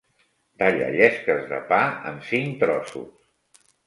Talla llesques de pa en cinc trossos